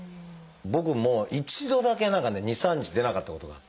僕も一度だけ何かね２３日出なかったことがあって。